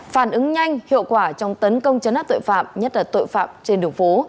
phản ứng nhanh hiệu quả trong tấn công chấn áp tội phạm nhất là tội phạm trên đường phố